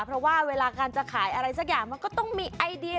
เพราะว่าเวลาการจะขายอะไรสักอย่างมันก็ต้องมีไอเดีย